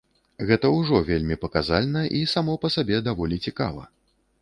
Гэта ўжо вельмі паказальна, і само па сабе даволі цікава.